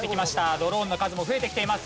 ドローンの数も増えてきています。